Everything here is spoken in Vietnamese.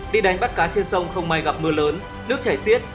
đi đánh bắt cá trên sông không may gặp mưa lớn nước chảy xiết